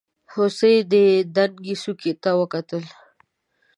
هوسۍ دنګې څوکې ته وکتل.